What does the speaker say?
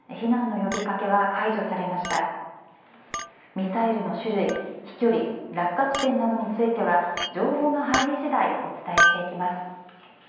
ミサイルの種類、飛距離、落下地点などについては情報が入り次第、お伝えしていきます。